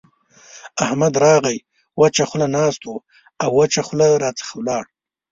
احمد راغی؛ وچه خوله ناست وو او وچه خوله راڅخه ولاړ.